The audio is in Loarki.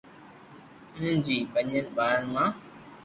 انهن جي پنجن ٻارن مان،